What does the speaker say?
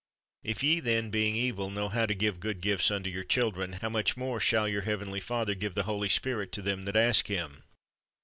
If ye then, being evil, know how to give good gifts unto your children, how much more shall your Heavenly Father give the Holy Spirit to them that ask Him?"